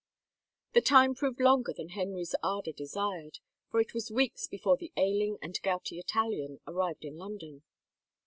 The time proved longer than Henry's ardor desired, for it was weeks before the ailing and gouty Italian arrived in London.